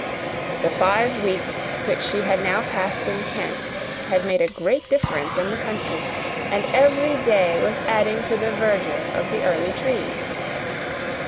The five weeks which she had now passed in Kent had made a great difference in the country, and every day was adding to the verdure of the early trees.